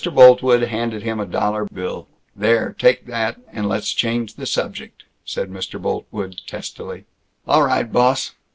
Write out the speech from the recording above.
Boltwood handed him a dollar bill. "There, take that, and let's change the subject," said Mr. Boltwood testily. "All right, boss.